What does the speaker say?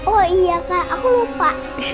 oh iya kak aku lupa